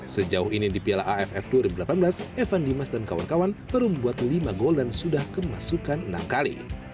sejauh ini di piala aff dua ribu delapan belas evan dimas dan kawan kawan baru membuat lima gol dan sudah kemasukan enam kali